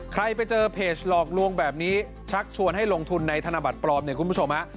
ไปเจอเพจหลอกลวงแบบนี้ชักชวนให้ลงทุนในธนบัตรปลอมเนี่ยคุณผู้ชมฮะ